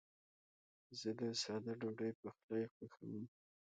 زه د ساده ډوډۍ پخلی خوښوم.